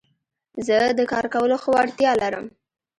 زه د کار کولو ښه وړتيا لرم.